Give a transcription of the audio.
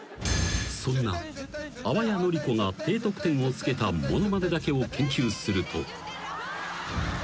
［そんな淡谷のり子が低得点をつけたものまねだけを研究すると］